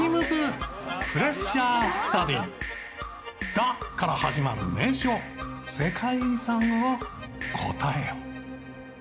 「だ」から始まる名所・世界遺産を答えよ。